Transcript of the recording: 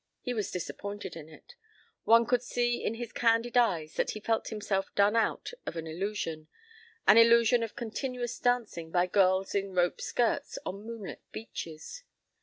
He was disappointed in it. One could see in his candid eyes that he felt himself done out of an illusion, an illusion of continuous dancing by girls in rope skirts on moonlit beaches.